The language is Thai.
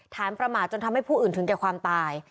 ประมาทจนทำให้ผู้อื่นถึงแก่ความตาย